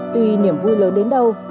tuy niềm vui lớn đến đâu